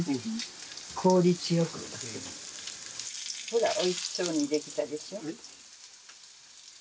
ほらおいしそうに出来たでしょ。